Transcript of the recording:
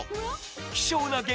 希少な激